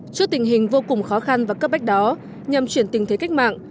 trước tình hình vô cùng khó khăn và cấp bách đó nhằm chuyển tình thế cách mạng